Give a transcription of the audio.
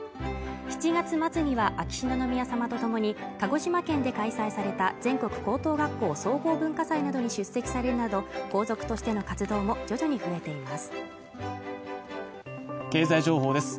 ７月末には秋篠宮さまと共に鹿児島県で開催された全国高等学校総合文化祭などに出席されるなど皇族としての活動も徐々に増えています